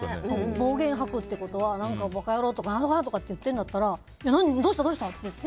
暴言を吐くってことは馬鹿野郎！とか言ってるんだったらどうした、どうしたって言って。